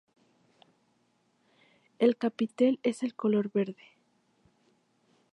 El capitel es de color verde.